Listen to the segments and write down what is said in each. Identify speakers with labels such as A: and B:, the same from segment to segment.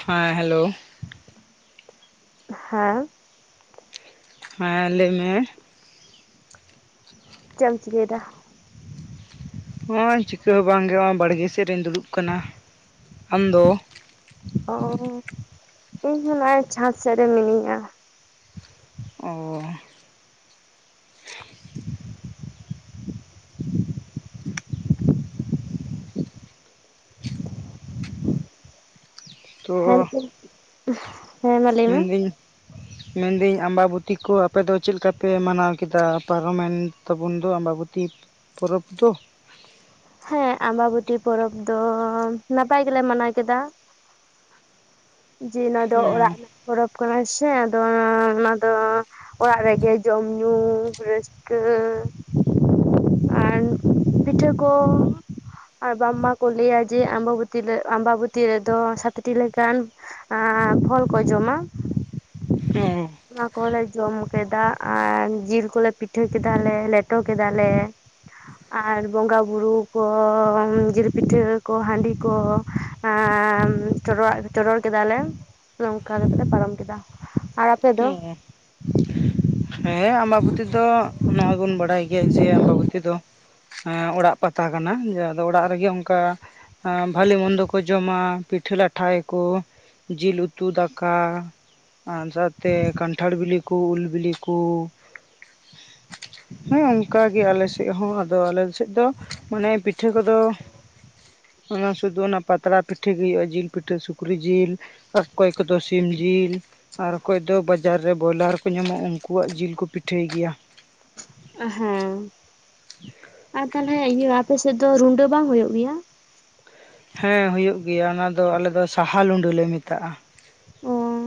A: ᱦᱮᱸ ᱦᱮᱞᱳ,
B: ᱦᱮᱸ,
A: ᱦᱮᱸ ᱞᱟᱹᱭᱢᱮ ᱾
B: ᱪᱮᱫ ᱮᱢ ᱪᱤᱠᱟᱹ ᱭᱮᱫᱟ?
A: ᱱᱚᱜᱚᱭ ᱪᱤᱠᱟᱹ ᱦᱚᱸ ᱵᱟᱝᱜᱮ ᱱᱚᱜᱚᱭ ᱵᱟᱲᱜᱮ ᱥᱮᱫ ᱨᱮᱧ ᱫᱩᱲᱩᱵ ᱠᱟᱱᱟ ᱾ ᱟᱢᱫᱚ?
B: ᱚ ᱤᱧ ᱦᱚᱸ ᱱᱚᱜᱼᱚᱭ ᱪᱟᱸᱫᱽ ᱥᱮᱫ ᱨᱮ ᱢᱤᱱᱟᱹᱧᱟ ᱾
A: ᱚᱻ [inaudible] ᱛᱚ
B: ᱦᱮᱸ ᱾
A: ᱢᱮᱱᱫᱤᱧ,
B: [inaudible]
A: ᱢᱮᱱᱫᱟᱹᱧ ᱟᱢᱵᱟᱵᱚᱛ ᱠᱚ ᱟᱯᱮ ᱫᱚ ᱪᱮᱫ ᱞᱮᱠᱟᱯᱮ ᱢᱟᱱᱟᱣ ᱠᱮᱫᱟ, ᱯᱟᱨᱚᱢᱮᱱ ᱛᱟᱵᱚᱱ ᱫᱚ ᱟᱢᱵᱟᱵᱚᱛᱤ? ᱯᱚᱨᱚᱵᱽ ᱫᱚ,
B: ᱦᱮᱸ ᱟᱢᱵᱟᱵᱚᱛᱤ ᱯᱚᱨᱚᱵᱽ ᱫᱚ ᱱᱟᱯᱟᱭ ᱜᱮᱞᱮ ᱢᱟᱱᱟᱣ ᱠᱮᱫᱟ᱾ ᱡᱮ ᱱᱚᱣᱟ ᱫᱚ
A: ᱚ
B: ᱚᱲᱟᱜ ᱯᱚᱨᱚᱵᱽ ᱠᱟᱱᱟ ᱥᱮ ᱟᱫᱚ ᱚᱱᱟ ᱫᱚ ᱚᱲᱟᱜ ᱨᱮᱜᱮ ᱡᱚᱢ ᱧᱩ ᱨᱟᱹᱥᱠᱟᱹ ᱟᱨ ᱯᱤᱴᱷᱟᱹ ᱠᱚ ᱟᱨ ᱵᱟᱝ ᱢᱟ ᱠᱚ ᱞᱟᱹᱭᱟ ᱡᱮ ᱟᱢᱵᱟᱵᱚᱛᱤ ᱞᱮ ᱟᱢᱵᱟᱵᱚᱛᱤ ᱨᱮᱫᱚ ᱥᱟᱛᱴᱤ ᱞᱮᱠᱟᱱ ᱮᱸ ᱯᱷᱚᱞ ᱠᱚ ᱡᱚᱢᱟ᱾
A: ᱦᱮᱸ᱾
B: ᱚᱱᱟ ᱠᱚᱦᱚᱸ ᱞᱮ ᱡᱚᱢ ᱠᱮᱫᱟ ᱟᱨ ᱡᱤᱞ ᱠᱚᱞᱮ ᱯᱤᱴᱷᱟᱹ ᱠᱮᱫᱟᱞᱞᱮ ᱞᱮᱴᱚ ᱠᱮᱫᱟ ᱞᱮ᱾ ᱟᱨ ᱵᱚᱸᱜᱟ ᱵᱩᱨᱩ ᱠᱚ ᱡᱤᱞ ᱯᱤᱴᱷᱟᱹ ᱠᱚ ᱦᱟᱺᱰᱤ ᱠᱚ ᱮᱸ ᱪᱚᱰᱚᱨᱟ ᱪᱚᱰᱚᱨ ᱠᱮᱫᱟᱞᱮ ᱱᱚᱝᱠᱟ ᱠᱟᱛᱮᱜ ᱞᱮ ᱯᱟᱨᱚᱢ ᱠᱮᱫᱟ᱾ ᱟᱨ ᱟᱯᱮ ᱫᱚ
A: [unintelligible]
B: [inaudible]
A: ᱦᱮᱸ ᱟᱢᱵᱟᱵᱚᱛᱤ ᱫᱚ ᱱᱚᱣᱟᱵᱚᱱ ᱵᱟᱲᱟᱭ ᱜᱮᱭᱟ ᱡᱮ ᱟᱢᱵᱟᱵᱚᱛᱤ ᱫᱚ ᱮᱸ ᱚᱲᱟᱜ ᱯᱟᱛᱟ ᱠᱟᱱᱟ ᱡᱮ ᱟᱫᱚ ᱚᱲᱟᱜ ᱨᱮᱜᱮ ᱚᱱᱠᱟ ᱮᱸ ᱵᱷᱟᱞᱮ ᱢᱚᱱᱫᱚ ᱠᱚ ᱡᱚᱢᱟ ᱯᱤᱴᱷᱟᱹ ᱞᱟᱴᱷᱟᱭᱟᱠᱚ ᱡᱤᱞ ᱩᱛᱩ ᱫᱟᱠᱟ [unintelligible] ᱛᱮ ᱠᱟᱱᱴᱷᱟᱲ ᱵᱤᱞᱤ ᱠᱚ ᱩᱞ ᱵᱤᱞᱤ ᱠᱚ
B: [inaudible]
A: ᱦᱳᱭ ᱚᱱᱠᱟ ᱜᱮ ᱟᱞᱮ ᱥᱮᱫ ᱦᱚᱸ ᱟᱫᱚ ᱟᱞᱮ ᱥᱮᱫ ᱫᱚ ᱢᱟᱱᱮ ᱯᱤᱴᱷᱟᱹ ᱠᱚᱫᱚ ᱚᱱᱟ ᱥᱩᱫᱩ ᱚᱱᱟ ᱯᱟᱛᱲᱟ ᱯᱤᱴᱷᱟᱹ ᱜᱮ ᱦᱩᱭᱩᱜᱼᱟ ᱡᱤᱞ ᱯᱤᱴᱷᱟᱹ ᱥᱩᱠᱨᱤ ᱡᱤᱞ ᱟᱨ ᱚᱠᱚᱭ ᱠᱚᱫᱚ ᱥᱤᱢ ᱡᱤᱞ ᱟᱨ ᱚᱠᱚᱭ ᱫᱚ ᱵᱟᱡᱟᱨ ᱨᱮ ᱵᱚᱭᱞᱟᱨ ᱠᱚ ᱧᱟᱢᱚᱜᱼᱟ ᱩᱱᱠᱩᱣᱟᱜ ᱡᱤᱞ ᱠᱚ ᱯᱤᱴᱷᱟᱹᱭ ᱜᱮᱭᱟ᱾
B: ᱦᱮᱸ, ᱟᱨ ᱛᱟᱞᱦᱮ ᱤᱭᱟᱹ ᱟᱯᱮ ᱥᱮᱫ ᱫᱚ ᱨᱩᱰᱟᱹ ᱵᱟᱝ ᱦᱩᱭᱩᱜ ᱜᱮᱭᱟ?
A: ᱦᱮᱸ ᱦᱩᱭᱩᱜ ᱜᱮᱭᱟ ᱚᱱᱟ ᱫᱚ ᱟᱞᱮ ᱫᱚ ᱥᱟᱦᱟ ᱞᱩᱸᱰᱟᱹ ᱞᱮ ᱢᱮᱛᱟᱜᱼᱟ᱾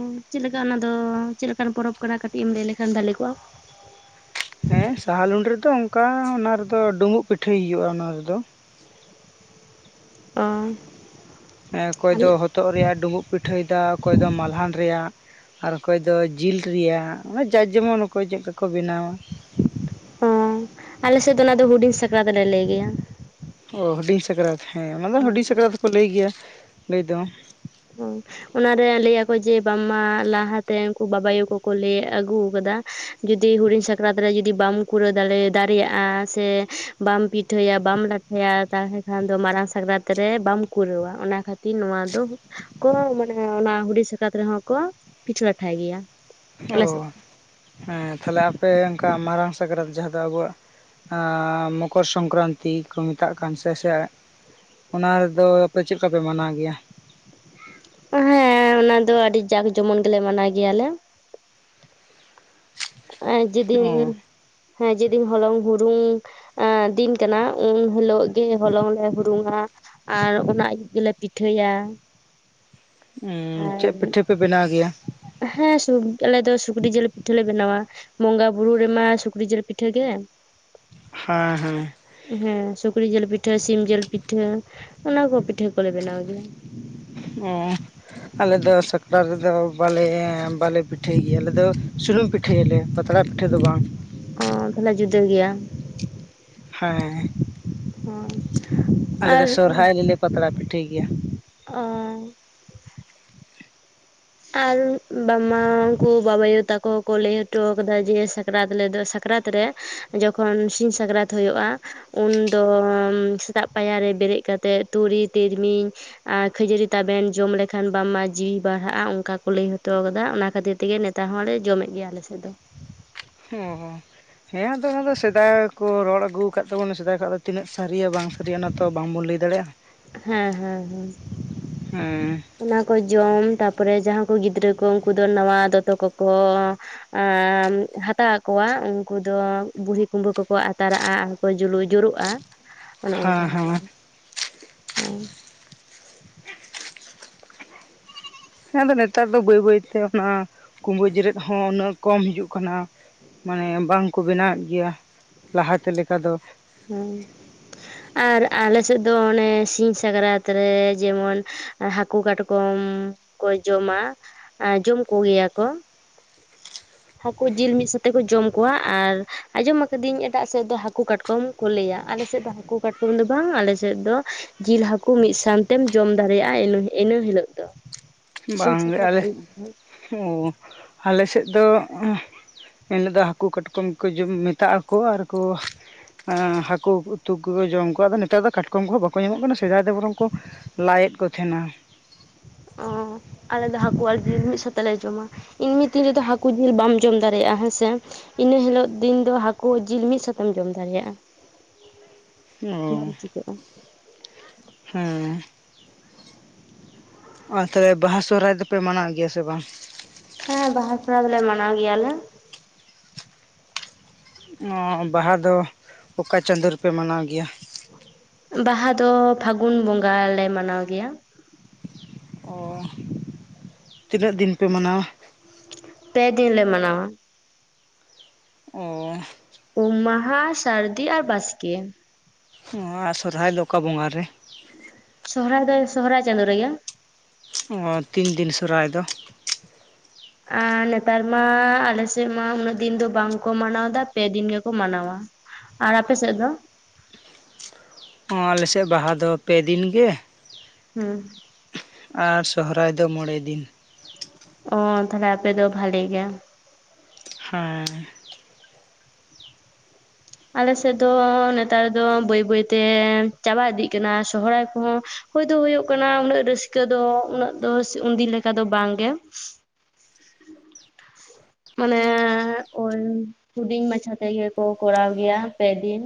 B: ᱩᱸ ᱪᱮᱫ ᱞᱮᱠᱟ ᱚᱱᱟ ᱫᱚ ᱪᱮᱫ ᱞᱮᱠᱟᱱ ᱯᱚᱨᱚᱵᱽ ᱠᱟᱱᱟ? ᱠᱟᱹᱴᱤᱡ ᱮᱢ ᱞᱟᱹᱭ ᱞᱮᱠᱷᱟᱱ ᱵᱷᱟᱞᱮ ᱠᱚᱜᱼᱟ᱾
A: ᱦᱮᱸ ᱥᱟᱦᱟ ᱞᱩᱸᱰᱟᱹ ᱨᱮᱫᱚ ᱚᱱᱠᱟ ᱚᱱᱟ ᱨᱮᱫᱚ ᱰᱩᱢᱵᱩᱜ ᱯᱤᱴᱷᱟᱹᱭ ᱦᱩᱭᱩᱜᱼᱟ ᱚᱱᱟ ᱨᱮᱫᱚ᱾
B: ᱚ᱾
A: ᱦᱮᱸ ᱚᱠᱚᱭ ᱫᱚ
B: ᱟᱞᱮ
A: ᱦᱚᱛᱚᱫ ᱨᱮᱭᱟᱜ-ᱮ ᱰᱩᱸᱵᱩᱜ ᱯᱤᱴᱷᱟᱹᱭᱮᱫᱟ ᱚᱠᱚᱭ ᱫᱚ ᱢᱟᱞᱦᱟᱱ ᱨᱮᱭᱟᱜ, ᱟᱨ ᱚᱠᱚᱭ ᱫᱚ ᱡᱤᱞ ᱨᱮᱭᱟᱜ ᱚᱣ ᱡᱟᱨ ᱡᱮᱢᱚᱱ ᱚᱠᱚᱭ ᱪᱮᱫᱠᱟ ᱠᱚ ᱵᱮᱱᱟᱣᱟ᱾
B: ᱚ ᱟᱞᱮ ᱥᱮᱫ ᱫᱚ ᱚᱱᱟ ᱫᱚ ᱦᱩᱰᱤᱧ ᱥᱟᱠᱨᱟᱛ ᱞᱮ ᱞᱟᱹᱭ ᱜᱮᱭᱟ᱾
A: ᱚ ᱦᱩᱰᱤᱧ ᱥᱟᱠᱨᱟᱛ, ᱦᱮᱸ ᱚᱱᱟ ᱫᱚ
B: ᱦᱳᱭ
A: ᱦᱩᱰᱤᱧ ᱥᱟᱠᱨᱟᱛ ᱠᱚ ᱞᱟᱹᱭ ᱜᱮᱭᱟ ᱞᱟᱹᱭ ᱫᱚ᱾
B: ᱚ ᱚᱱᱟᱨᱮ ᱞᱟᱹᱭᱟᱠᱚ ᱡᱮ ᱵᱟᱝᱢᱟ ᱞᱟᱦᱟᱛᱮ ᱩᱱᱠᱩ ᱵᱟᱵᱟ ᱟᱭᱳ ᱠᱚᱠᱚ ᱞᱟᱹᱭ ᱟᱹᱜᱩ ᱠᱟᱫᱟ ᱡᱩᱫᱤ ᱦᱩᱰᱤᱧ ᱥᱟᱠᱨᱟᱛ ᱨᱮ ᱡᱩᱫᱤ ᱵᱟᱢ ᱠᱩᱲᱟᱹᱣ ᱫᱟᱲᱮ ᱫᱟᱨᱮᱭᱟᱜᱼᱟ ᱥᱮ ᱵᱟᱢ ᱯᱤᱴᱷᱟᱹᱭᱟ ᱵᱟᱢ ᱞᱟᱴ [unintelligible] ᱛᱟᱞᱦᱮ ᱠᱷᱟᱱ ᱫᱚ ᱢᱟᱨᱟᱝ ᱥᱟᱠᱨᱟᱹᱛ ᱨᱮ ᱵᱟᱢ ᱠᱩᱨᱟᱹᱣᱟ, ᱚᱱᱟ ᱠᱷᱟᱹᱛᱤᱨ ᱱᱚᱣᱟ ᱫᱚ ᱠᱚ ᱢᱟᱱᱮ ᱚᱱᱟ ᱦᱩᱰᱤᱧ ᱥᱟᱠᱨᱟᱹᱛ ᱨᱮᱦᱚᱸ ᱠᱚ ᱯᱤᱴᱷᱟ ᱞᱟᱴᱷᱟᱭ ᱜᱮᱭᱟ᱾
A: ᱚ,
B: ᱟᱞᱮ ᱥᱮᱫ
A: ᱦᱮᱸ ᱛᱟᱦᱞᱮ ᱟᱯᱮ ᱚᱱᱠᱟ ᱢᱟᱨᱟᱝ ᱥᱟᱠᱨᱟᱛ ᱡᱟᱦᱟᱸ ᱫᱚ ᱟᱵᱚᱣᱟᱜ ᱟ ᱢᱚᱠᱚᱨ ᱥᱚᱝᱠᱨᱟᱱᱛᱤ ᱠᱚ ᱢᱮᱛᱟᱜ ᱠᱟᱱ ᱥᱮ ᱥᱮ ᱚᱱᱟ ᱨᱮᱫᱚ ᱟᱯᱮ ᱪᱮᱫ ᱞᱮᱠᱟ ᱯᱮ ᱢᱟᱱᱟᱣ ᱜᱮᱭᱟ?
B: ᱦᱮᱸ ᱚᱱᱟ ᱫᱚ ᱟᱹᱰᱤ ᱡᱟᱠ ᱡᱚᱢᱚᱱ ᱜᱮᱞᱮ ᱢᱟᱱᱟᱣ ᱜᱮᱭᱟ ᱞᱮ᱾ ᱮ ᱡᱮ ᱫᱤᱱ
A: ᱚ
B: ᱦᱮᱸ ᱡᱮᱫᱤᱱ ᱦᱚᱞᱚᱝ ᱦᱩᱲᱩᱝ ᱮᱸ ᱫᱤᱱ ᱠᱟᱱᱟ ᱩᱱ ᱦᱤᱞᱚᱜ ᱜᱮ ᱦᱚᱞᱚᱝ ᱞᱮ ᱦᱩᱲᱩᱝᱟ ᱟᱨ ᱚᱱᱟ ᱟᱭᱩᱵ ᱜᱮᱞᱮ ᱯᱤᱴᱷᱟᱹᱭᱟ᱾
A: ᱩᱸ
B: ᱟᱨ
A: ᱪᱮᱫ ᱯᱤᱴᱷᱟᱹ ᱯᱮ ᱵᱮᱱᱟᱣ ᱜᱮᱭᱟ?
B: ᱦᱮᱸ ᱥᱩᱠ ᱟᱞᱮ ᱫᱚ ᱥᱩᱠᱨᱤ ᱡᱤᱞ ᱯᱤᱴᱷᱟ ᱞᱮ ᱵᱮᱱᱟᱣᱟ᱾ ᱵᱚᱸᱜᱟ ᱵᱩᱨᱩ ᱨᱮᱢᱟ ᱥᱩᱠᱨᱤ ᱡᱤᱞ ᱯᱤᱴᱷᱟᱹ ᱜᱮ ᱾
A: ᱦᱮᱸ ᱦᱮᱸ᱾
B: ᱦᱮᱸ ᱥᱩᱠᱨᱤ ᱡᱤᱞ ᱯᱤᱴᱷᱟᱹ ᱥᱤᱢ ᱡᱤᱞ ᱯᱤᱴᱷᱟᱹ ᱚᱱᱟ ᱠᱚ ᱯᱤᱴᱷᱟᱹ ᱠᱚᱞᱮ ᱵᱮᱱᱟᱣ ᱜᱮᱭᱟ᱾
A: ᱚ ᱟᱞᱮ ᱫᱚ ᱥᱟᱠᱨᱟᱛ ᱨᱮᱫᱚ ᱵᱟᱞᱮ ᱵᱟᱞᱮ ᱯᱤᱴ ᱷᱟᱹᱭ ᱜᱮᱭᱟ ᱟᱞᱮ ᱫᱚ ᱥᱩᱱᱩᱢ ᱯᱤᱴᱷᱟᱹᱭᱟᱞᱮ ᱯᱟᱛᱲᱟ ᱯᱤᱴᱷᱟᱹ ᱫᱚ ᱵᱟᱝ ᱾
B: ᱚ ᱛᱟᱦᱚᱞᱮ ᱡᱩᱫᱟᱹ ᱜᱮᱭᱟ ᱾
A: ᱦᱮᱸ ᱾
B: [inaudible] ᱦᱚᱭ ᱾
A: ᱟᱞᱮ ᱫᱚ ᱥᱚᱨᱦᱟᱭ ᱨᱮᱞᱮ ᱯᱟᱛᱲᱟ ᱯᱤᱴᱷᱟᱹᱭ ᱜᱮᱭᱟ ᱾
B: ᱚᱻ ᱟᱨ ᱵᱟᱝᱢᱟ ᱩᱱᱠᱩ ᱵᱟᱵᱟ ᱟᱭᱩ ᱛᱟᱠᱚ ᱦᱚᱸ ᱠᱚ ᱞᱟᱹᱭ ᱦᱚᱴᱚ ᱟᱠᱟᱫᱟ ᱡᱮ ᱥᱟᱠ ᱨᱟᱛ ᱨᱮᱫᱚ ᱥᱟᱠᱨᱟᱛ ᱨᱮ ᱡᱚᱠᱷᱚᱱ ᱥᱤᱧ ᱥᱟᱠᱨᱟᱛ ᱦᱩᱭᱩᱜ-ᱟ ᱩᱱ ᱫᱚ ᱥᱮᱛᱟᱜ ᱯᱟᱭᱟᱨ ᱨᱮ ᱵᱮᱨᱮᱫ ᱠᱟᱛᱮᱫ ᱛᱩᱲᱤ ᱛᱤᱞᱢᱤᱧ ᱟᱨ ᱠᱷᱟᱹᱡᱟᱹᱲᱤ ᱛᱟᱵᱮᱱ ᱡᱚᱢ ᱞᱮᱠᱷᱟᱱ ᱵᱟᱝᱢᱟ ᱡᱤᱣᱤ ᱵᱟᱲᱦᱟᱜᱼᱟ᱾ ᱚᱱᱠᱟ ᱠᱚ ᱞᱟᱹᱭ ᱦᱚᱴᱚ ᱟᱠᱟᱫᱟ ᱚᱱᱟ ᱠᱷᱟᱹᱛᱤᱨ ᱛᱮᱜᱮ ᱱᱮᱛᱟᱨ ᱦᱚᱸ ᱞᱮ ᱡᱚᱢᱮᱫ ᱜᱮᱭᱟ ᱟᱞᱮᱥᱮᱫ ᱫᱚ᱾
A: ᱦᱚᱻ ᱦᱮᱸ ᱟᱫᱚ ᱚᱱᱟ ᱫᱚ ᱥᱮᱫᱟᱭ ᱠᱚ ᱨᱚᱲ ᱟᱜᱩ ᱟᱠᱟᱫ ᱛᱟᱵᱚᱱᱟ ᱥᱮᱫᱟᱭ ᱠᱷᱚᱱ ᱫᱚ ᱛᱤᱱᱟᱹᱜ ᱥᱟᱹᱨᱤ ᱭᱟ ᱵᱟᱝ ᱥᱟᱨᱤᱭᱟᱹ ᱚᱱᱟ ᱛᱚ ᱵᱟᱝᱵᱚᱱ ᱞᱟᱹᱭ ᱫᱟᱲᱮᱭᱟᱜᱼᱟ᱾
B: ᱦᱮᱸ ᱦᱮᱸ ᱦᱮᱸ᱾
A: ᱦᱮᱸ
B: ᱚᱱᱟ ᱠᱚ ᱡᱚᱢ ᱛᱟᱯᱚᱨᱮ ᱡᱟᱦᱟᱸ ᱠᱚ ᱜᱤᱫᱽᱨᱟᱹ ᱠᱚ ᱩᱱᱠᱩ ᱫᱚ ᱱᱟᱣᱟ ᱫᱚᱛᱚ ᱠᱚᱠᱚ ᱦᱟᱛᱟᱣ ᱟᱠᱚᱣᱟ ᱩᱱᱠᱩ ᱫᱚ ᱵᱩᱲᱦᱤ ᱠᱩᱢᱵᱟᱹ ᱠᱚᱠᱚ ᱟᱛᱟᱨᱟᱜᱼᱟ ᱟᱨᱠᱚ ᱡᱩᱞᱩᱜ ᱡᱩᱨᱩᱜᱼᱟ᱾ ᱚᱱᱮ ᱚᱱᱠᱟ
A: ᱦᱮᱸ ᱦᱮᱸ
B: ᱟᱨᱠᱤ ᱦᱮᱸ᱾
A: ᱦᱮᱸ ᱟᱫᱚ ᱱᱮᱛᱟᱨ ᱫᱚ ᱵᱟᱹᱭ ᱵᱟᱹᱭ ᱛᱮ ᱚᱱᱟ ᱠᱩᱢᱵᱟᱹ ᱡᱮᱨᱮᱫ ᱦᱚᱸ ᱩᱱᱟᱹᱜ ᱠᱚᱢ ᱦᱤᱡᱩᱜ ᱠᱟᱱᱟ᱾ ᱢᱟᱱᱮ ᱵᱟᱝᱠᱚ ᱵᱮᱱᱟᱣᱮᱫ ᱜᱮᱭᱟ ᱞᱟᱦᱟᱛᱮ ᱞᱮᱠᱟ ᱫᱚ᱾
B: ᱦᱩ᱾ ᱟᱨ ᱟᱞᱮ ᱥᱮᱫ ᱫᱚ ᱚᱱᱮ ᱥᱤᱧ ᱥᱟᱠᱨᱟᱹᱛ ᱨᱮ ᱡᱮᱢᱚᱱ ᱦᱟᱹᱠᱩ ᱠᱟᱴᱠᱚᱢ ᱠᱚ ᱡᱚᱢᱟ ᱟᱨ ᱡᱚᱢ ᱠᱚᱜᱮᱭᱟ ᱠᱚ᱾ ᱦᱟᱹᱠᱩ ᱡᱤᱞ ᱢᱤᱫ ᱥᱟᱛᱮᱜ ᱠᱚ ᱡᱚᱢ ᱠᱚᱣᱟ ᱟᱨ ᱟᱸᱡᱚᱢ ᱟᱠᱟᱫᱤᱧ ᱮᱴᱟᱜ ᱥᱮᱫ ᱫᱚ ᱦᱟᱹᱠᱩ ᱠᱟᱴᱠᱚᱢ᱾ ᱠᱚ ᱞᱟᱹᱭᱟ ᱟᱞᱮ ᱥᱮᱫ ᱫᱚ ᱦᱟᱹᱠᱩ ᱠᱟᱴᱠᱚᱢ ᱫᱚ ᱵᱟᱝ ᱟᱞᱮ ᱥᱮᱫ ᱫᱚ ᱡᱤᱞ ᱦᱟᱹᱠᱩ ᱢᱤᱫ ᱥᱟᱶᱛᱮᱢ ᱡᱚᱢ ᱫᱟᱲᱮᱭᱟᱜᱼᱟᱹ ᱤᱱᱟᱹ ᱦᱤᱞᱟᱳᱜ ᱫᱚ᱾ ᱥᱤᱧ
A: ᱵᱟᱝᱜᱮ
B: ᱥᱟᱠᱨᱟᱛ
A: ᱟᱞᱮ
B: ᱟᱹᱭᱩᱵ ᱫᱚ
A: ᱚ ᱟᱞᱮ ᱥᱮᱫ ᱫᱚ ᱮᱱᱦᱤᱞᱳᱜ ᱫᱚ ᱦᱟᱹᱠᱩ ᱠᱟᱴᱠᱚᱢ ᱠᱚ ᱡᱚᱢ ᱢᱮᱛᱟᱜ ᱟᱠᱚ ᱟᱨᱠᱚ ᱦᱟᱹᱠᱩ ᱩᱛᱩ ᱠᱚ ᱡᱚᱢ ᱠᱚᱣᱟ ᱟᱫᱚ ᱱᱮᱛᱟᱨ ᱫᱚ ᱠᱟᱴᱠᱚᱢ ᱠᱚᱦᱚᱸ ᱵᱟᱠᱚ ᱧᱟᱢᱚᱜ ᱠᱟᱱᱟ ᱥᱮᱫᱟᱭ ᱫᱚ ᱵᱚᱨᱚᱝ ᱠᱚ᱾ ᱞᱟᱭᱮᱫ ᱠᱚ ᱛᱟᱦᱮᱱᱟ᱾
B: ᱚ ᱟᱞᱮ ᱫᱚ ᱦᱟᱹᱠᱩ ᱟᱨ ᱡᱤᱞ ᱢᱤᱫ ᱥᱟᱛᱮᱜᱞ ᱞᱮ ᱡᱚᱢᱟ ᱮᱢᱱᱤ ᱫᱤᱱ ᱨᱮᱫᱚ ᱦᱟᱹᱠᱩ ᱡᱤᱞ ᱵᱟᱢ ᱡᱚᱢ ᱫᱟᱲᱮᱭᱟᱜᱼᱟ ᱦᱮᱸᱥᱮ᱾ ᱤᱱᱟᱹ ᱦᱤᱞᱳᱜ ᱫᱤᱱ ᱫᱚ ᱦᱟᱹᱠᱩ ᱡᱤᱞ ᱢᱤᱫ ᱥᱟᱛᱮᱢ ᱡᱚᱢ ᱫᱟᱲᱮᱭᱟᱜᱼᱟ᱾ ᱵᱟᱢ
A: ᱚ
B: ᱪᱤᱠᱟᱹᱜᱼᱟ
A: ᱦᱮᱸ᱾ ᱟᱨ ᱛᱟᱦᱚᱞᱮ ᱵᱟᱦᱟ ᱥᱚᱦᱚᱨᱟᱹᱭ ᱫᱚᱯᱮ ᱢᱟᱱᱟᱣᱮᱫ ᱜᱮᱭᱟ ᱥᱮ ᱵᱟᱝ?
B: ᱦᱮᱸ ᱵᱟᱦᱟ ᱯᱚᱨᱦᱟᱹᱭ ᱫᱚᱞᱮ ᱢᱟᱱᱟᱣ ᱜᱮᱭᱟ ᱞᱮ᱾
A: ᱚ ᱵᱟᱦᱟ ᱫᱚ ᱚᱠᱟ ᱪᱟᱸᱫᱳ ᱨᱮᱯᱮ ᱢᱟᱱᱟᱣ ᱜᱮᱭᱟ?
B: ᱵᱟᱦᱟ ᱫᱚ ᱯᱷᱟᱹᱜᱩᱱ ᱵᱚᱸᱜᱟ ᱞᱮ ᱢᱟᱱᱟᱣ ᱜᱮᱭᱟ᱾
A: ᱚ ᱛᱤᱱᱟᱹᱜ ᱫᱤᱱ ᱯᱮ ᱢᱟᱱᱟᱣᱟ?
B: ᱯᱮ ᱫᱤᱱ ᱞᱮ ᱢᱟᱱᱟᱣᱟ᱾
A: ᱚᱻ
B: ᱩᱢ ᱢᱟᱦᱟ, ᱥᱟᱹᱨᱫᱤ ᱟᱨ ᱵᱟᱥᱠᱮ᱾
A: ᱦᱚᱶᱟ 'ᱥᱚᱨᱦᱟᱭ' ᱫᱚ ᱚᱠᱟ ᱵᱚᱸᱜᱟ ᱨᱮ?
B: 'ᱥᱚᱦᱨᱟᱭ' ᱫᱟᱹ 'ᱥᱚᱦᱚᱨᱟᱭ' ᱪᱟᱸᱫᱳ ᱨᱮᱜᱮ᱾
A: ᱚ ᱛᱤᱱ ᱫᱤᱱ ᱥᱚᱨᱟᱭ ᱫᱚ?
B: ᱟᱸ ᱱᱮᱛᱟᱨ ᱢᱟ ᱟᱞᱮ ᱥᱮᱜ ᱢᱟ ᱩᱱᱟᱹᱜ ᱫᱤᱱ ᱫᱚ ᱵᱟᱝᱠᱚ ᱢᱟᱱᱟᱣ ᱫᱟ, ᱯᱮ ᱫᱤᱱ ᱜᱮᱠᱚ ᱢᱟᱱᱟᱣᱟ᱾ ᱟᱨ ᱟᱯᱮ ᱥᱮᱜ ᱫᱚ?
A: ᱚᱸ ᱟᱞᱮ ᱥᱮᱜ 'ᱵᱟᱦᱟ' ᱫᱚ ᱯᱮ ᱫᱤᱱ ᱜᱮᱻ᱾
B: ᱦᱩᱸ᱾
A: ᱟᱨ 'ᱥᱚᱦᱨᱟᱭ' ᱫᱚ ᱢᱚᱬᱮ ᱫᱤᱱ᱾
B: ᱚ ᱛᱷᱟᱞᱮ ᱟᱯᱮ ᱫᱚ ᱵᱷᱟᱞᱤ ᱜᱮ᱾
A: ᱦᱮᱸ᱾
B: ᱟᱞᱮ ᱥᱮᱜ ᱫᱚ, ᱱᱮᱛᱟᱨ ᱫᱚ ᱵᱟᱹᱭ-ᱵᱟᱹᱭᱛᱮᱸ ᱪᱟᱵᱟ ᱤᱫᱤᱜ ᱠᱟᱱᱟ 'ᱥᱚᱦᱨᱟᱭ' ᱠᱚᱦᱚᱸ᱾ ᱦᱩᱭ ᱫᱩ ᱦᱩᱭᱩᱜ ᱠᱟᱱᱟ ᱩᱱᱟᱹᱜ ᱨᱟᱹᱥᱠᱟᱹ ᱫᱚ, ᱩᱱᱟᱹᱜ ᱫᱚ ᱥᱮ ᱩᱱᱫᱤᱱ ᱞᱮᱠᱟ ᱫᱚ ᱵᱟᱝᱜᱮ᱾ ᱢᱟᱱᱮ ᱳᱭ ᱦᱩᱰᱤᱧ ᱢᱟᱪᱷᱟ ᱛᱮᱜᱮ ᱠᱚ ᱠᱚᱨᱟᱣ ᱜᱮᱭᱟ ᱯᱮ ᱫᱤᱱ᱾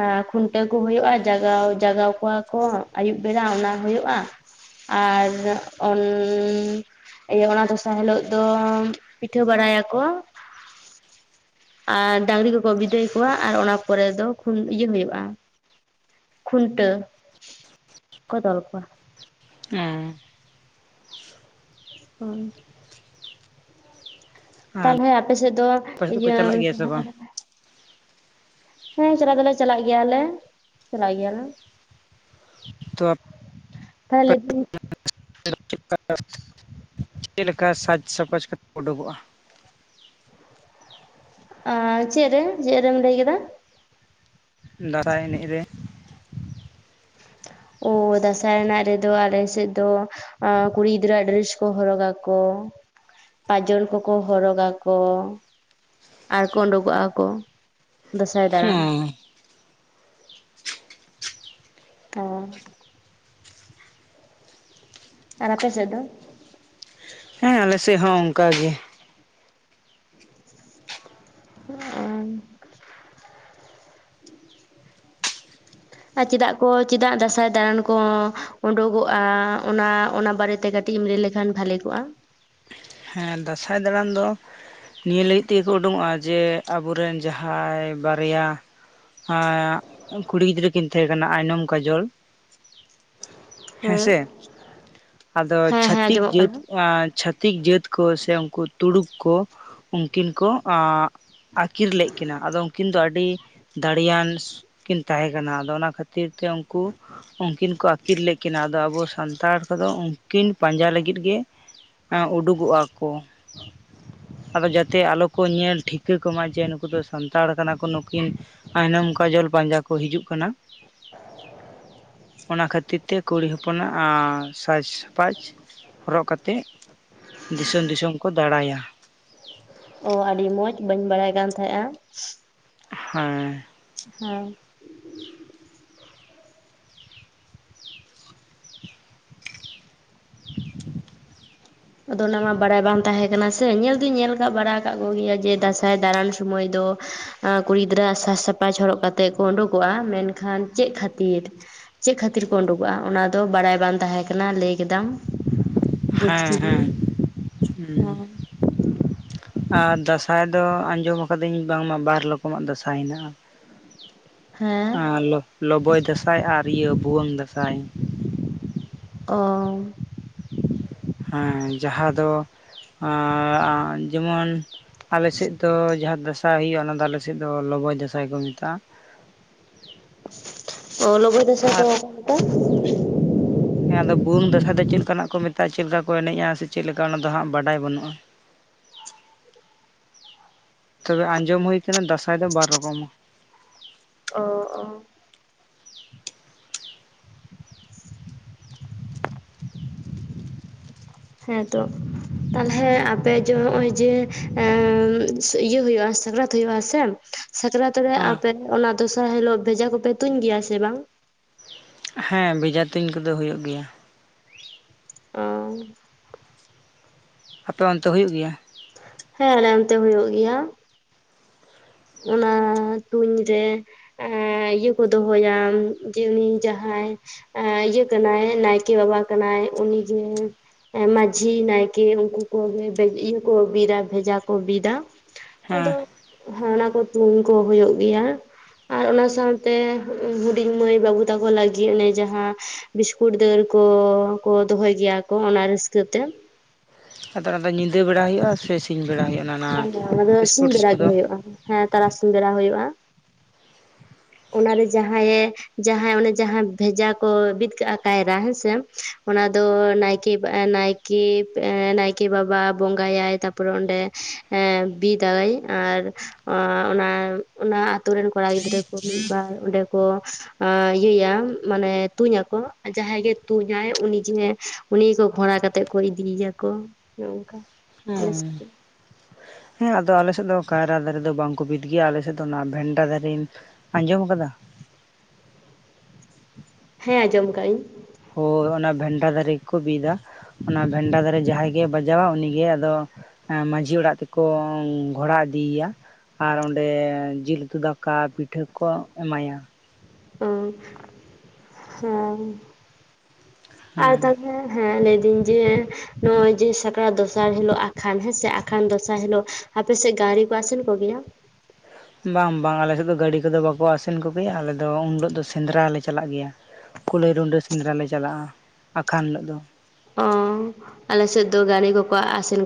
B: ᱟᱸ ᱠᱷᱩᱱᱴᱟᱹᱣ ᱠᱚ ᱦᱳᱭᱳᱜᱼᱟ ᱡᱟᱜᱟᱣ-ᱡᱟᱜᱟᱣ ᱠᱚᱣᱟ ᱠᱚ ᱟᱭᱩᱵ ᱵᱮᱨᱟ ᱚᱱᱟ ᱦᱳᱭᱳᱜ-ᱟᱸ᱾ ᱟᱨ ᱚᱱ ᱤᱭᱟᱹ ᱚᱱᱟ ᱫᱚᱥᱟ ᱦᱤᱞᱳᱜ ᱫᱚ ᱯᱤᱴᱷᱟᱹ ᱵᱟᱲᱟᱭᱟ ᱠᱚᱸ᱾ ᱟᱸ ᱰᱟᱝᱨᱤ ᱠᱚᱠᱚ ᱵᱤᱫᱟᱹᱭ ᱠᱚᱣᱟ ᱟᱨ ᱚᱱᱟ ᱯᱚᱨᱮ ᱫᱚ ᱠᱷᱩᱱ ᱤᱭᱟᱹ ᱦᱳᱭᱳᱜᱼᱟ᱾ ᱠᱷᱩᱱᱴᱟᱹᱣ ᱠᱚ ᱛᱚᱞ ᱠᱚᱣᱟ᱾
A: ᱮᱸ᱾
B: ᱩᱸ᱾
A: ᱟᱨ
B: ᱛᱟᱞᱦᱮ ᱟᱯᱮ ᱥᱮᱜ ᱫᱚ
A: ᱟᱯᱮ ᱥᱮᱫ ᱫᱚᱠᱚ
B: ᱤᱭᱟᱹ
A: ᱪᱟᱞᱟᱜ
B: [inaudible]
A: ᱜᱮᱭᱟ ᱥᱮ ᱵᱟᱝ
B: ᱦᱮᱸ, ᱪᱟᱞᱟᱜ ᱫᱚᱞᱮ ᱪᱟᱞᱟᱜ ᱜᱮᱭᱟ ᱞᱮ, ᱪᱟᱞᱟᱜ ᱜᱮᱭᱟ ᱞᱮ᱾
A: ᱛᱚᱯ
B: ᱛᱷᱟᱞᱮ ᱯᱨᱩᱯ
A: [inaudible] ᱪᱮᱜ ᱞᱮᱠᱟ ᱥᱟᱡᱽ-ᱥᱟᱯᱟᱡᱽ [inaudible] ᱚᱰᱳᱜᱚᱜᱼᱟ?
B: ᱟᱸ ᱪᱮᱜ ᱨᱮ, ᱪᱮᱫ ᱨᱮᱢ ᱞᱟᱹᱭ ᱠᱮᱫᱟ?
A: 'ᱫᱟᱨᱟᱭ' ᱮᱱᱮᱡ ᱨᱮ᱾
B: ᱚ 'ᱫᱟᱥᱟᱭᱱᱟᱜ' ᱨᱮᱫᱚ ᱟᱞᱮ ᱥᱮᱜ ᱫᱚ ᱟᱸ ᱠᱩᱲᱤ ᱜᱤᱫᱽᱨᱟᱹᱣᱟᱜ ᱰᱨᱮᱥ ᱠᱚ ᱦᱚᱨᱚᱜᱟ ᱠᱚ᱾ ᱯᱟᱡᱚᱱ ᱠᱚᱠᱚ ᱦᱚᱨᱚᱜᱟ ᱠᱚ ᱟᱨᱠᱚ ᱚᱰᱳᱜᱚᱸᱜᱼᱟ ᱠᱚ᱾ 'ᱫᱚᱥᱟᱭ ᱫᱟᱲᱟᱱ'᱾
A: ᱦᱮᱸ
B: ᱛᱚᱸ᱾ ᱟᱨ ᱟᱯᱮ ᱥᱮᱜ ᱫᱚ?
A: ᱦᱮᱸᱻ, ᱟᱞᱮ ᱥᱮᱜ ᱦᱚᱸ ᱚᱝᱠᱟ ᱜᱮ᱾
B: ᱟᱝ ᱟ ᱪᱮᱫᱟᱜ ᱠᱚ ᱪᱮᱫᱟᱜ 'ᱫᱟᱥᱟᱭ' ᱫᱟᱲᱟᱱ ᱠᱚᱸ ᱚᱸᱰᱳᱜᱚᱜᱼᱟ? ᱚᱱᱟ, ᱚᱱᱟ ᱵᱟᱨᱮᱛᱮ ᱠᱟᱹ- ᱴᱤᱢ ᱞᱟᱹ ᱞᱮᱠᱷᱟᱱ ᱵᱷᱟᱞᱮ ᱠᱚᱜᱼᱟᱸ᱾
A: ᱦᱮᱸ, 'ᱫᱟᱥᱟᱭ' ᱫᱟᱲᱟᱱ ᱫᱚᱸ ᱱᱤᱭᱟᱹ ᱞᱟᱹᱜᱤᱫ ᱛᱮᱜᱮ ᱠᱚ ᱩᱰᱩᱝᱚᱜᱼᱟ ᱡᱮ ᱟᱵᱚᱨᱮᱱ ᱡᱟᱦᱟᱭ ᱵᱟᱨᱭᱟ ᱦᱟᱸᱭᱟᱜ ᱩᱝ ᱠᱩᱲᱤ ᱜᱤᱫᱽᱨᱟᱹ ᱠᱤᱱ ᱛᱷᱮᱸ ᱠᱟᱱᱟ ᱟᱭᱱᱚᱢ, ᱠᱟᱡᱚᱞ᱾
B: ᱦᱮᱸ
A: ᱦᱮᱸᱥᱮ, ᱟᱫᱚ
B: ᱦᱮᱸ ᱦᱮᱸ
A: ᱪᱷᱟᱛᱤᱠ
B: ᱟᱸᱡᱚᱢᱚᱜ
A: ᱡᱟᱹᱛ
B: ᱠᱟᱱᱟ
A: ᱟᱸ ᱪᱷᱟ- -ᱛᱤᱠ ᱡᱟᱹᱛ ᱠᱚ ᱥᱮ ᱩᱝᱠᱩ ᱛᱩᱲᱩᱠ ᱠᱚ ᱩᱝᱠᱤᱱ ᱠᱚ ᱟᱸᱜ ᱟᱠᱤᱨ ᱞᱮᱜ ᱠᱤᱱᱟ ᱟᱫᱚ ᱩᱝᱠᱤᱱ ᱫᱚ ᱟᱰᱤ ᱫᱟᱲᱮᱭᱟᱱ ᱥᱩᱜ ᱠᱤᱱ ᱛᱟᱦᱮ ᱠᱟᱱᱟ ᱟᱫᱚ ᱚᱱᱟ ᱠᱷᱟᱹᱛ- -ᱛᱤᱨ ᱛᱮ ᱩᱝᱠᱩ ᱩᱝᱠᱤᱱ ᱠᱚ ᱟᱠᱤᱨ ᱞᱮᱜ ᱠᱤᱱᱟ, ᱟᱫᱚ ᱟᱵᱚ ᱥᱟᱱᱛᱟᱲ ᱠᱚᱫᱚ ᱩᱝ- -ᱠᱤᱱ ᱯᱟᱸᱡᱟ ᱞᱟᱜᱤᱫ ᱜᱮ ᱮᱸ ᱩᱰᱩᱜᱚᱜᱼᱟ᱾ ᱟᱫᱚ ᱡᱟᱛᱮ ᱟᱞᱚ ᱠᱚ ᱧᱮᱞ ᱴᱷᱤᱠᱟᱹ ᱠᱚᱢᱟ ᱡᱮ ᱱᱩᱠᱩ ᱫᱚ ᱥᱟᱱᱛᱟᱲ ᱠᱟᱱᱟ ᱠᱚ᱾ ᱱᱩᱠᱤᱱ ᱟᱭᱱᱚᱢ ᱠᱟᱡᱚᱞ ᱯᱟᱸᱡᱟ ᱠᱚ ᱦᱤᱡᱩᱜ ᱠᱟᱱᱟ ᱾
B: [inaudible]
A: ᱚᱱᱟ ᱠᱷᱟᱹᱛᱤᱨ ᱛᱮ ᱠᱩᱲᱤ ᱦᱚᱯᱚᱱᱟᱜ ᱥᱟᱡᱽ ᱥᱟᱯᱟᱡᱽ ᱦᱚᱨᱚᱜ ᱠᱟᱛᱮᱜ, ᱫᱤᱥᱚᱢ ᱫᱤᱥᱚᱢ ᱠᱚ ᱫᱟᱬᱟᱭᱟ ᱾
B: ᱚ ᱟᱹᱰᱤ ᱢᱚᱸᱡᱽ ᱾ ᱵᱟᱹᱧ ᱵᱟᱲᱟᱭ ᱠᱟᱱ ᱛᱟᱦᱮᱸᱜᱼᱟ᱾
A: ᱦᱮᱸ,
B: ᱦᱮᱸ, ᱟᱫᱚ ᱚᱱᱟ ᱢᱟ ᱵᱟᱲᱟᱭ ᱵᱟᱝ ᱛᱟᱦᱮᱸ ᱠᱟᱱᱟ ᱥᱮ ᱧᱮᱞ ᱫᱩᱧ ᱧᱮᱞ ᱠᱟᱜ ᱵᱟᱲᱟ ᱠᱟᱜ ᱠᱚᱜᱮᱭᱟ᱾ ᱡᱮ ᱫᱟᱸᱥᱟᱭ ᱫᱟᱬᱟᱱ ᱥᱚᱢᱚᱭ ᱫᱚ ᱠᱩᱲᱤ ᱜᱤᱫᱽᱨᱟᱹ ᱟᱜ ᱥᱟᱡᱽ ᱥᱟᱯᱷᱟᱡ ᱦᱚᱨᱚᱜ ᱠᱟᱛᱮᱫ ᱠᱚ ᱩᱰᱩᱠᱚᱜᱼᱟ᱾ ᱢᱮᱱᱠᱷᱟᱱ ᱪᱮᱫ ᱠᱷᱟᱹᱛᱤᱨ ᱪᱮᱫ ᱠᱷᱟᱹᱛᱤᱨ ᱠᱚ ᱩᱰᱩᱠᱚᱜᱼᱟ ᱚᱱᱟᱫᱚ ᱵᱟᱲᱟᱭ ᱵᱟᱝ ᱛᱟᱦᱮᱸ ᱠᱟᱱᱟ ᱾ ᱞᱟᱹᱭ ᱠᱮᱫᱟᱢ ᱵᱩᱡᱽ
A: ᱦᱮᱸ
B: ᱠᱤᱫᱟᱹᱧ
A: ᱦᱮᱸ ᱦᱮᱸ ᱾ ᱟᱨ ᱫᱟᱸᱥᱟᱭ ᱫᱚ ᱟᱸᱡᱚᱢ ᱟᱠᱟᱫᱟᱹᱧ ᱵᱟᱝᱢᱟ ᱵᱟᱨ ᱨᱚᱠᱚᱢᱟᱜ ᱫᱟᱸᱥᱟᱭ ᱢᱮᱱᱟᱜᱼᱟ ᱾
B: ᱦᱮᱸ,
A: ᱞᱚᱵᱚᱭ ᱫᱟᱸᱥᱟᱭ ᱟᱨ ᱤᱭᱟᱹ ᱵᱷᱩᱣᱟᱹᱝ ᱫᱟᱸᱥᱟᱭ ᱾
B: ᱚᱻ
A: ᱦᱮᱸ ᱡᱟᱦᱟᱸ ᱫᱚ ᱡᱮᱢᱚᱱ ᱟᱞᱮᱥᱮᱫ ᱫᱚ ᱡᱟᱦᱟᱸ ᱫᱟᱸᱥᱟᱭ ᱦᱩᱭᱩᱜᱼᱟ, ᱚᱱᱟ ᱫᱚ ᱟᱞᱮᱥᱮᱫ ᱫᱚ ᱞᱚᱵᱚᱭ ᱫᱟᱸᱥᱟᱭ ᱠᱚ ᱢᱮᱛᱟᱜᱼᱟ ᱾
B: ᱚ ᱞᱚᱵᱚᱭ ᱫᱟᱸᱥᱟᱭ ᱫᱚ
A: ᱟᱨ
B: ᱚᱠᱟ ᱞᱮᱠᱟ?
A: ᱦᱮᱸ ᱟᱫᱚ ᱵᱷᱩᱣᱟᱝ ᱫᱟᱸᱥᱟᱭ ᱫᱚ ᱪᱮᱫ ᱞᱮᱠᱟᱱᱟᱜ ᱠᱚ ᱢᱮᱛᱟᱜᱼᱟ ᱪᱮᱫ ᱞᱮᱠᱟ ᱠᱚ ᱮᱱᱮᱡᱼᱟ ᱥᱮ ᱪᱮᱫ ᱞᱮᱠᱟ ᱚᱱᱟ ᱫᱚ ᱦᱟᱸᱜ ᱵᱟᱰᱟᱭ ᱵᱟᱹᱱᱩᱜᱼᱟ ᱾ ᱛᱚᱵᱮ ᱟᱸᱡᱚᱢ ᱦᱳᱭ ᱠᱟᱱᱟ ᱫᱟᱸᱥᱟᱭ ᱫᱚ ᱵᱟᱨ ᱨᱚᱠᱚᱢᱟ ᱾
B: ᱚ, ᱚ ᱾ ᱦᱮᱸ ᱛᱚ ᱾ ᱛᱟᱞᱦᱮ ᱟᱯᱮ ᱡᱮ ᱱᱚᱜᱼᱚᱭ ᱡᱮ ᱤᱭᱟᱹ ᱦᱩᱭᱩᱜᱼᱟ ᱥᱟᱠᱨᱟᱛ ᱦᱩᱭᱩᱜᱼᱟ ᱥᱮ ᱥᱟᱠᱨᱟᱛ ᱨᱮ
A: ᱦᱮᱸ
B: ᱟᱯᱮ ᱚᱱᱟ ᱫᱚᱥᱟᱨ ᱦᱤᱞᱳᱜ ᱵᱮᱡᱷᱟ ᱠᱚᱯᱮ ᱛᱩᱧ ᱜᱮᱭᱟ ᱥᱮ ᱵᱟᱝ?
A: ᱦᱮᱸ ᱵᱮᱡᱷᱟ ᱛᱩᱧ ᱠᱚᱫᱚ ᱦᱩᱭᱩᱜ ᱜᱮᱭᱟ ᱾
B: ᱚᱻ,
A: ᱟᱯᱮ ᱚᱱᱛᱮ ᱦᱩᱭᱩᱜ ᱜᱮᱭᱟ?
B: ᱦᱮᱸ ᱟᱞᱮ ᱚᱱᱛᱮ ᱦᱩᱭᱩᱜ ᱜᱮᱭᱟ ᱾ ᱚᱱᱟ ᱛᱩᱧ ᱨᱮ ᱤᱭᱟᱹ ᱠᱚ ᱫᱚᱦᱚᱭᱟ, ᱡᱮ ᱩᱱᱤ ᱡᱟᱦᱟᱸᱭ ᱤᱭᱟᱹ ᱠᱟᱱᱟᱭ ᱱᱟᱭᱠᱮ ᱵᱟᱵᱟ ᱠᱟᱱᱟᱭ, ᱩᱱᱤᱜᱮ ᱢᱟᱺᱡᱷᱤ, ᱱᱟᱭᱠᱮ, ᱩᱱᱠᱩ ᱠᱚ ᱤᱭᱟᱹ ᱠᱚ ᱵᱤᱫᱟ ᱵᱮᱡᱷᱟ ᱠᱚ ᱵᱤᱫᱟ ᱾ ᱟᱫᱚ
A: ᱦᱮᱸ
B: ᱚᱱᱟ ᱠᱚ ᱛᱩᱧ ᱠᱚ ᱦᱩᱭᱩᱜ ᱜᱮᱭᱟ ᱾ ᱟᱨ ᱚᱱᱟ ᱥᱟᱶᱛᱮ ᱦᱩᱰᱤᱧ ᱢᱟᱹᱭ ᱵᱟᱹᱵᱩ ᱛᱟᱠᱚ ᱞᱟᱹᱜᱤᱫ ᱚᱱᱮ ᱡᱟᱦᱟᱸ ᱵᱤᱥᱠᱩᱴ ᱫᱟᱹᱲ ᱠᱚ ᱫᱚᱦᱚᱭ ᱜᱮᱭᱟ ᱠᱚ ᱚᱱᱟ ᱨᱟᱹᱥᱠᱟᱹ ᱛᱮ
A: ᱟᱫᱚ ᱚᱱᱟᱫᱚ ᱧᱤᱫᱟᱹ ᱵᱮᱲᱟ ᱦᱩᱭᱩᱜᱼᱟ ᱥᱮ ᱥᱤᱧ ᱵᱮᱲᱟ ᱦᱩᱭᱩᱜᱼᱟ? ᱚᱱᱟ
B: ᱵᱟᱝ ᱚᱱᱟ ᱫᱚ ᱥᱤᱧ
A: ᱥᱯᱳᱨᱴᱥ
B: ᱵᱮᱲᱟ ᱜᱮ
A: ᱠᱚᱫᱚ
B: ᱦᱩᱭᱩᱜᱼᱟ, ᱦᱮᱸ ᱛᱟᱨᱟᱥᱤᱧ ᱵᱮᱲᱟ ᱦᱩᱭᱩᱜᱼᱟ ᱾ ᱚᱱᱟᱨᱮ ᱡᱟᱦᱟᱸᱭᱮ ᱡᱟᱦᱟᱸᱭ ᱚᱱᱮ ᱡᱟᱦᱟᱸ ᱵᱷᱮᱡᱟ ᱠᱚ ᱵᱤᱫ ᱠᱟᱜᱼᱟ ᱠᱟᱭᱨᱟ ᱦᱮᱸᱥᱮ, ᱚᱱᱟ ᱫᱚ ᱱᱟᱭᱠᱮ ᱵᱟ ᱱᱟᱭᱠᱮ ᱠᱮ ᱱᱟᱭᱠᱮ ᱵᱟᱵᱟ ᱵᱚᱸᱜᱟᱭᱟᱭ ᱛᱟᱨᱯᱚᱨᱮ ᱚᱸᱰᱮ ᱮ ᱵᱤᱫᱟᱭ, ᱟᱨ ᱚᱱᱟ ᱚᱱᱟ ᱟᱛᱩ ᱨᱮᱱ ᱠᱚᱲᱟ ᱜᱤᱫᱽᱨᱟᱹ ᱠᱚ, ᱢᱤᱫ ᱵᱟᱨ ᱚᱸᱰᱮ ᱠᱚ ᱤᱭᱟᱹᱭᱟ ᱢᱟᱱᱮ ᱛᱩᱧᱟᱠᱚ ᱾ ᱡᱟᱦᱟᱸᱭ ᱜᱮ ᱛᱩᱧᱟᱭ ᱩᱱᱤ ᱡᱮ ᱩᱱᱤ ᱜᱷᱚᱲᱟ ᱠᱟᱛᱮᱫ ᱠᱚ ᱤᱫᱤᱭᱮᱭᱟᱠᱚ ᱱᱚᱝᱠᱟ᱾ ᱵᱮᱥ
A: ᱦᱮᱸ
B: ᱜᱮ᱾
A: ᱦᱮᱸ ᱟᱫᱚ ᱟᱞᱮᱥᱮᱫ ᱫᱚ ᱠᱟᱭᱨᱟ ᱫᱟᱨᱮ ᱫᱚ ᱵᱟᱝᱠᱚ ᱵᱤᱫ ᱜᱮᱭᱟ ᱟᱞᱮᱥᱮᱫ ᱫᱚ ᱚᱱᱟ ᱵᱷᱮᱱᱰᱟ ᱫᱟᱨᱮ ᱟᱸᱡᱚᱢ ᱟᱠᱟᱫᱟ?
B: ᱦᱮᱸ ᱟᱸᱡᱚᱢ ᱠᱟᱜ ᱤᱧ᱾
A: ᱦᱳ ᱚᱱᱟ ᱵᱷᱮᱱᱰᱟ ᱫᱟᱨᱮ ᱜᱮ ᱠᱚ ᱵᱤᱫᱟ ᱚᱱᱟ ᱵᱷᱮᱱᱰᱟ ᱫᱟᱨᱮ ᱡᱟᱦᱟᱸᱭ ᱜᱮ ᱵᱟᱡᱟᱣᱼᱟ ᱩᱱᱤ ᱜᱮ ᱟᱫᱚ ᱢᱟᱺᱡᱷᱤ ᱚᱲᱟᱜ ᱛᱮ ᱠᱚ ᱜᱷᱚᱲᱟ ᱤᱫᱤ ᱭᱮᱭᱟ ᱟᱨ ᱚᱸᱰᱮ ᱡᱤᱞ ᱩᱛᱩ, ᱫᱟᱠᱟ ᱯᱤᱴᱷᱟᱹ ᱠᱚ ᱮᱢᱟᱭᱟ᱾
B: ᱩᱸ ᱦᱮᱸ ᱟᱨ
A: ᱦᱮᱸ
B: ᱛᱟᱞᱦᱮ ᱦᱮᱸ ᱞᱟᱹᱭᱫᱟᱹᱧ ᱡᱮ ᱱᱚᱜᱼᱚᱭ ᱡᱮ ᱥᱟᱠᱨᱟᱛ ᱫᱚᱥᱟᱨ ᱦᱤᱞᱳᱜ ᱟᱠᱷᱟᱱ ᱦᱮᱸ ᱥᱮ ᱟᱠᱷᱟᱱ ᱫᱚᱥᱟᱨ ᱦᱤᱞᱳᱜ ᱟᱯᱮ ᱥᱮᱫ ᱜᱟᱲᱤ ᱠᱚ ᱟᱥᱮᱱ ᱠᱚ ᱜᱮᱭᱟ?
A: ᱵᱟᱝ ᱵᱟᱝ ᱟᱞᱮ ᱥᱮᱫ ᱫᱚ ᱜᱟᱹᱲᱤ ᱠᱚᱫᱚ ᱵᱟᱠᱚ ᱟᱥᱮᱱ ᱠᱚ ᱜᱮᱭᱟ ᱟᱞᱮ ᱫᱚ ᱩᱱᱦᱤᱞᱳ ᱫᱚ ᱥᱮᱸᱫᱽᱨᱟ ᱞᱮ ᱪᱟᱞᱟᱜ ᱜᱮᱭᱟ᱾ ᱠᱩᱞᱟᱹᱭ, ᱨᱩᱺᱰᱟᱹ ᱥᱮᱸᱫᱽᱨᱟ ᱞᱮ ᱪᱟᱞᱟᱜᱼᱟ ᱟᱠᱷᱟᱱ ᱦᱤᱞᱳᱜ ᱫᱚ᱾
B: ᱚ ᱟᱞᱮᱥᱮᱫ ᱫᱚ ᱜᱟᱲᱤ ᱠᱚᱠᱚ ᱟᱥᱮᱱ